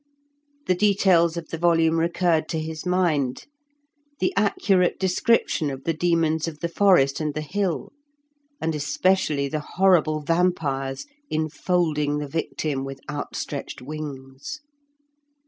The details of the volume recurred to his mind; the accurate description of the demons of the forest and the hill, and especially the horrible vampires enfolding the victim with outstretched wings.